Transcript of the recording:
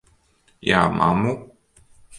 Jā, mammu?